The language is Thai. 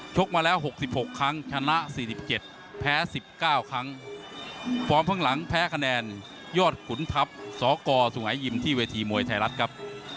กมาแล้ว๖๖ครั้งชนะ๔๗แพ้๑๙ครั้งฟอร์มข้างหลังแพ้คะแนนยอดขุนทัพสกสุงหายิมที่เวทีมวยไทยรัฐครับ